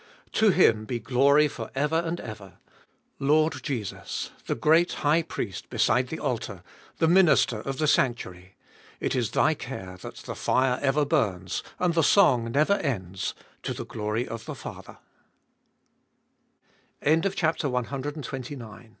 3. To Him be glory for ever and ever ! Lord Jesus ! the great High Priest beside the altar, the minister of the sanctuary, it is Thy care that the fire ever burns, and the song never ends, to the glory of the Father.